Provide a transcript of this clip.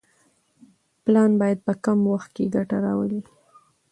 پلان باید په کم وخت کې ګټه راوړي.